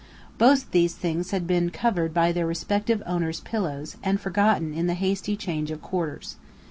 Both these things had been covered by their respective owners' pillows, and forgotten in the hasty change of quarters.